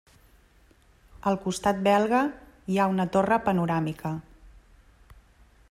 Al costat belga hi ha una torre panoràmica.